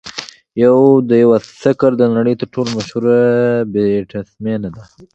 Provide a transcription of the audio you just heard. یوديوسکر د نړۍ تر ټولو مشهوره بیټسمېنه وه.